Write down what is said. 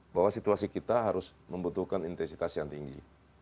bahwa situasi kita harus membutuhkan intensitas yang tinggi